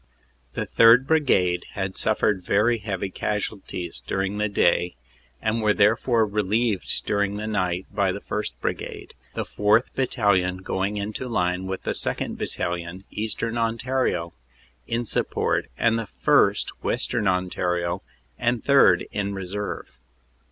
"The 3rd. Brigade had suffered very heavy casualties dur ing the day, and were therefore relieved during the night by the 1st. Brigade, the 4th. Battalion going into line with the 2nd. Battalion, Eastern Ontario, in support and the 1st., Western Ontario, and 3rd. in reserve.